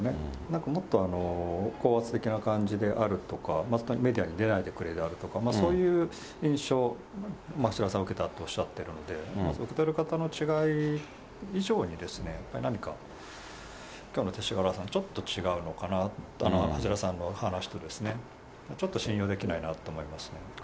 なんかもっと高圧的な感じであるとか、メディアに出ないでくれであるとか、そういう印象、橋田さんは受けたとおっしゃっているので、受け取り方の違い以上に、やっぱり何か、たぶん、勅使河原さん、ちょっと違うのかな、橋田さんの話とですね、ちょっと信用できないなと思いますね。